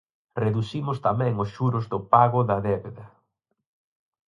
Reducimos tamén os xuros do pago da débeda.